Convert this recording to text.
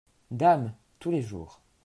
Dame !… tous les jours.